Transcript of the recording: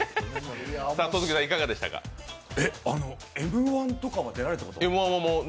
「Ｍ−１」とかは出られたことは？